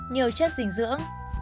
nhiều chất dinh dưỡng